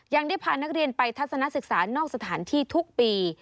ยังได้พานักเรียนไปทัศนศึกษานอกสถานที่ทุกปี